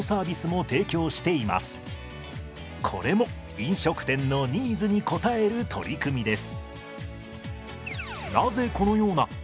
これも飲食店のニーズに応える取り組みです。